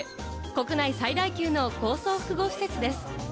国内最大級の高層複合施設です。